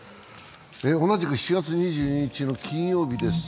同じく７月２２日の金曜日です。